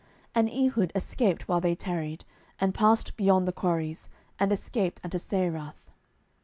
07:003:026 And Ehud escaped while they tarried, and passed beyond the quarries, and escaped unto Seirath.